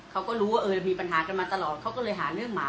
เขาก็รู้ว่าเออมีปัญหากันมาตลอดเขาก็เลยหาเรื่องหมา